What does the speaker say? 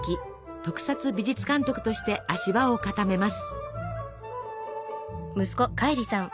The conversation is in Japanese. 特撮美術監督として足場を固めます。